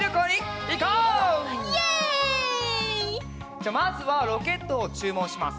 じゃあまずはロケットをちゅうもんします。